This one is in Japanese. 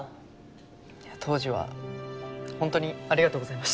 当時は本当にありがとうございました。